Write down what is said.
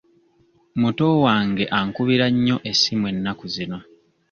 Muto wange ankubira nnyo essimu ennaku zino.